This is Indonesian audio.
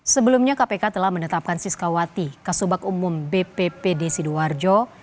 sebelumnya kpk telah menetapkan siskawati kasubak umum bppd sidoarjo